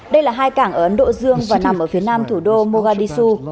đây là hai cảng ở ấn độ dương và nằm ở phía nam thủ đô mogadisu